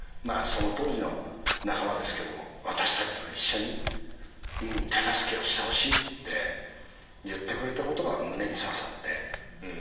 その当時の仲間ですけど私たちと一緒に手助けをしてほしいって言ってくれたことが胸に刺さって。